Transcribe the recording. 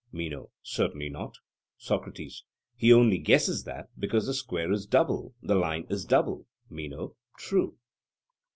MENO: Certainly not. SOCRATES: He only guesses that because the square is double, the line is double. MENO: True.